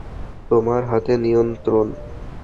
তোমার হাতে নিয়ন্ত্রণ।